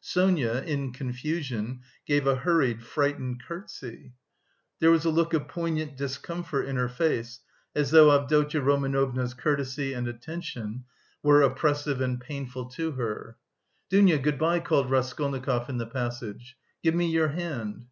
Sonia, in confusion, gave a hurried, frightened curtsy. There was a look of poignant discomfort in her face, as though Avdotya Romanovna's courtesy and attention were oppressive and painful to her. "Dounia, good bye," called Raskolnikov, in the passage. "Give me your hand."